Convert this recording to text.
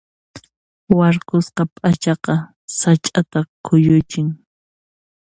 Warkusqa p'achaqa sach'ata kuyuchin.